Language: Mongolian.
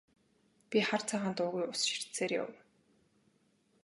Би хар цагаан дуугүй ус ширтсээр явав.